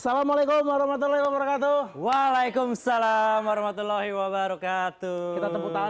salamualaikum warahmatullahi wabarakatuh waalaikumsalam warahmatullahi wabarakatuh